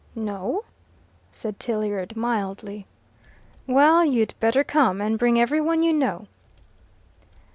"No," said Tilliard mildly. "Well, you'd better come, and bring every one you know."